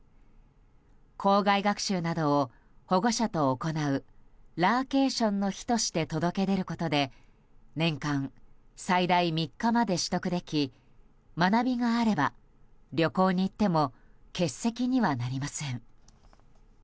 校外学習などを保護者と行うラーケーションの日として届け出ることで年間最大３日まで取得でき学びがあれば旅行に行っても欠席にはなりません。